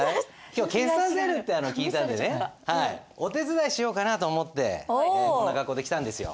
今日は決算セールって聞いたんでねお手伝いしようかなと思ってこんな格好で来たんですよ。